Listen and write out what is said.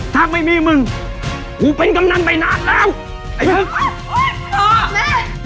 ถ้าไม่มีมึงกูเป็นกำนันไปนานแล้วไอ้มึงโอ๊ยแม่